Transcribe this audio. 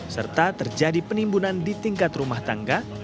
serta terjadi penimbunan di tingkat rumah tangga